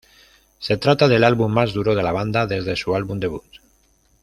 Se trata del álbum más duro de la banda desde su álbum debut.